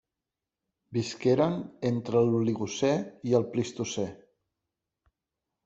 Visqueren entre l'Oligocè i el Plistocè.